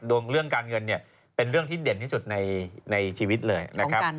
เรื่องการเงินเนี่ยเป็นเรื่องที่เด่นที่สุดในชีวิตเลยนะครับ